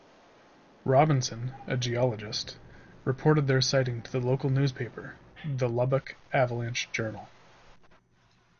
Robinson, a geologist - reported their sighting to the local newspaper, the "Lubbock Avalanche-Journal".